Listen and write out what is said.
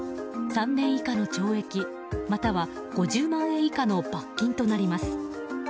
３年以下の懲役、または５０万円以下の罰金となります。